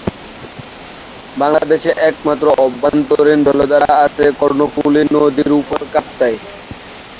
বাংলাদেশের একমাত্র অভ্যন্তরীণ জলাধার আছে কর্ণফুলী নদীর উপর কাপ্তাইয়ে।